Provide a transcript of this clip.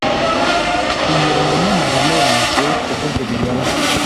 Binyuranye n'amahame yanjye kuvuga ibinyoma.